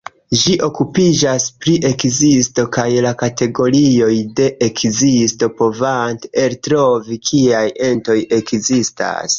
Ĝi okupiĝas pri ekzisto kaj la kategorioj de ekzisto, provante eltrovi kiaj entoj ekzistas.